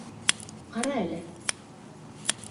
Ҡара әле?!